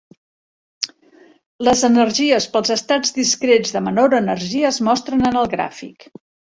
Les energies per als estats discrets de menor energia es mostren en el gràfic.